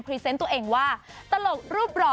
เซนต์ตัวเองว่าตลกรูปหล่อ